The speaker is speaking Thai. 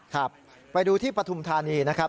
ครับไปดูที่ปฐุมธานีนะครับ